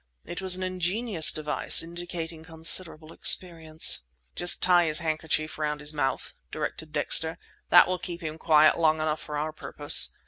It was an ingenious device indicating considerable experience. "Just tie his handkerchief around his mouth," directed Dexter: "that will keep him quiet long enough for our purpose.